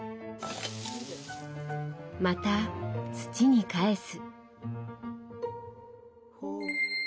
また土にかえす。